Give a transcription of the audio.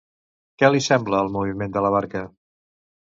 Què li sembla el moviment de la barca?